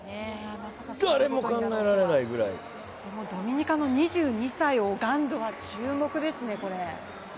誰も考えられないぐらいドミニカの２２歳、オガンドが注目ですね、これ。